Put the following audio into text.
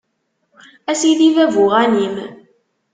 A sidi bab uγanim.